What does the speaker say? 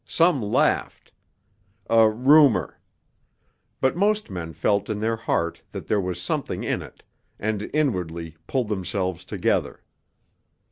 Some laughed 'a rumour'; but most men felt in their heart that there was something in it, and inwardly 'pulled themselves together.'